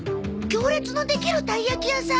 行列のできるたいやき屋さん？